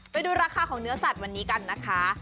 ไปดูราคาของเนื้อสัตว์วันนี้กันนะคะ